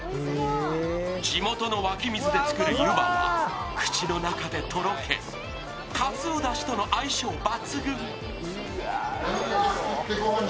地元の湧き水で作る湯葉は口の中でとろけかつおだしとの相性抜群。